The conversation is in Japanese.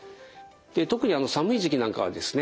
特に寒い時期なんかはですね